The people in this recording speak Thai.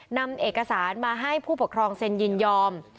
นำเอกสารมาให้ผู้ปกครองเซ็นยินยอม